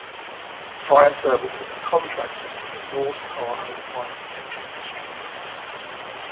Fire services are contracted to the North Tahoe Fire Protection District.